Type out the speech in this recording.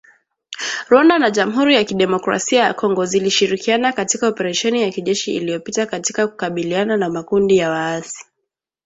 Rwanda na Jamhuri ya kidemokrasia ya Kongo zilishirikiana katika oparesheni ya kijeshi iliyopita katika kukabiliana na makundi ya waasi